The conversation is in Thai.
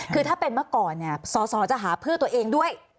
คือถ้าเป็นเมื่อก่อนเนี่ยสอสอจะหาเพื่อตัวเองด้วย